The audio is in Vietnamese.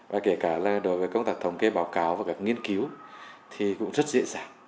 và kể cả là đối với công tác thống kê báo cáo và các nghiên cứu thì cũng rất dễ dàng